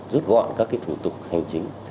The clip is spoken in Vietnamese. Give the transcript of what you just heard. rút gọn các thủ tục hành chính